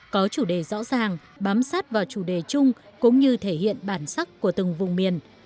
có chủ đề rõ ràng bám sát vào chủ đề chung cũng như thể hiện bản sắc của từng vùng miền